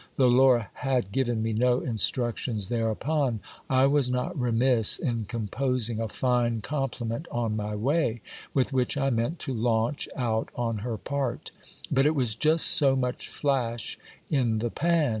Though Laura had given me no instructions thereupon, I was not remiss in composing a fine com pliment on my way, with which I meant to launch out on her part; but it was just so much flash in the pan.